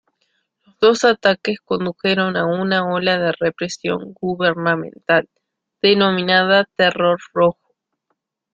Los dos ataques condujeron a una ola de represión gubernamental denominada Terror rojo.